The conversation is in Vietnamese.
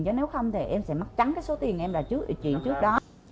chứ nếu không thì em sẽ mắc trắng cái số tiền em là chuyển trước đó